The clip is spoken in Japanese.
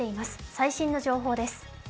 最新の情報です。